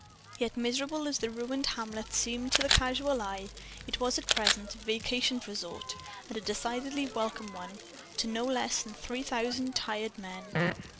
Yet, miserable as the ruined hamlet seemed to the casual eye, it was at present a vacation resort and a decidedly welcome one to no less than three thousand tired men.